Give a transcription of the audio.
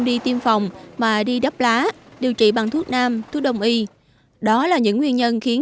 đi tiêm phòng mà đi đắp lá điều trị bằng thuốc nam thuốc đồng y đó là những nguyên nhân khiến